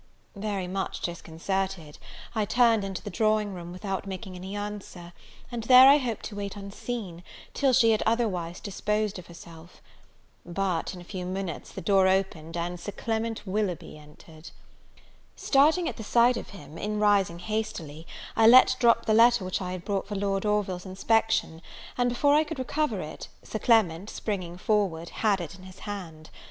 Very much disconcerted, I turned into the drawing room, without making any answer, and there I hoped to wait unseen, till she had otherwise disposed of herself. But, in a few minutes, the door opened, and Sir Clement Willoughby entered. Starting at the sight of him, in rising hastily, I let drop the letter which I had brought for Lord Orville's inspection, and, before I could recover it, Sir Clement, springing forward, had it in his hand.